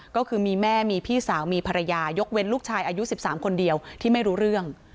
ก็คือมีแม่มีพี่สาวมีภรรยายกเว้นลูกชายอายุ๑๓คนเดียวที่ไม่รู้เรื่อง